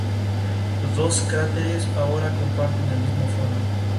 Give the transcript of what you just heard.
Los dos cráteres ahora comparten el mismo fondo.